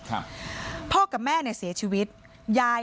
พี่น้องของผู้เสียหายแล้วเสร็จแล้วมีการของผู้เสียหาย